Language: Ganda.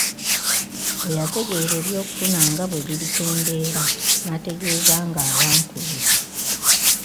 Bwe yategeera eby'okufuna nga bwe birikendeera n'ategeezanga abantu be.